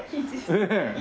ねえ。